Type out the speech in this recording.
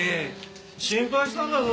心配したんだぞ。